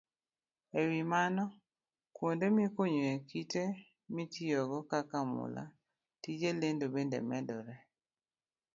E wi mano, kuonde mikunyoe kite mitiyogo kaka mula, tij lendo bende medore.